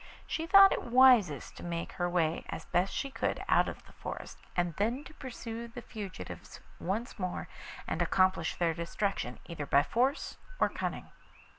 She thought it wisest to make her way as best she could out of the forest, and then to pursue the fugitives once more and accomplish their destruction either by force or cunning.